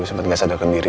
sempat gak sadar kendiri